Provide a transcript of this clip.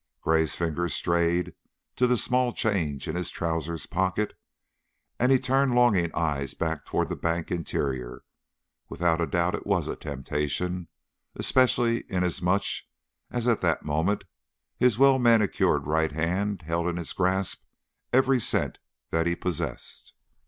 Gray's fingers strayed to the small change in his trousers pocket and he turned longing eyes back toward the bank interior. Without doubt it was a temptation, especially inasmuch as at that moment his well manicured right hand held in its grasp every cent that he possessed.